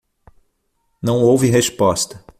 Não houve resposta.